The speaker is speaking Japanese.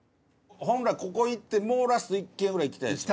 本来ここ行ってもうラスト１軒ぐらい行きたいですね。